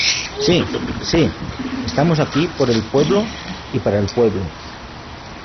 ¡si! ¡si! estamos aquí por el pueblo y para el pueblo